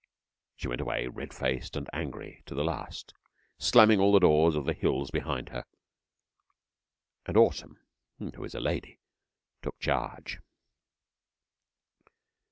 She went away, red faced and angry to the last, slamming all the doors of the hills behind her, and Autumn, who is a lady, took charge.